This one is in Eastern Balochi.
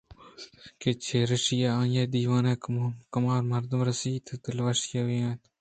کہ چرایشی ءَ آئی ءَ دِیوانے ءَ کمّومردم رَسیت ءُ دل وشّی ئِے اوں بیت